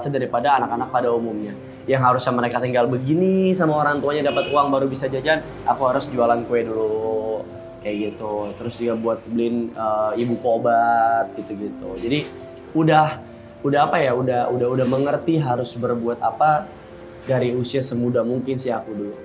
dia sudah mengerti harus berbuat apa dari usia semuda mungkin si aku dulu